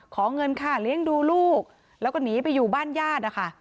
ขอเงินค่าเลี้ยงดูลูกแล้วก็หนีไปอยู่บ้านญาตินะคะ